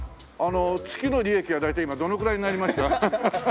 月の利益は大体今どのくらいになりました？